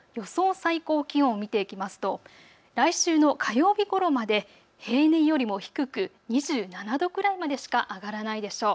最高気温見ていきますと来週の火曜日ごろまで平年よりも低く２７度くらいまでしか上がらないでしょう。